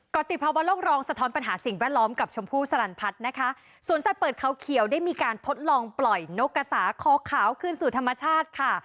ติภาวะโลกรองสะท้อนปัญหาสิ่งแวดล้อมกับชมพู่สลันพัฒน์นะคะสวนสัตว์เปิดเขาเขียวได้มีการทดลองปล่อยนกกระสาคอขาวคืนสู่ธรรมชาติค่ะ